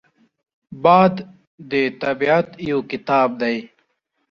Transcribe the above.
باد د طبیعت یو کتاب دی